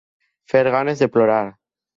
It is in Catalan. Fer ganes de plorar.